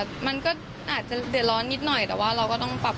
อือค่ะแล้วราวเหตุการณ์ที่เกิดขึ้นเรารู้สึกกลัวบ้างไม๊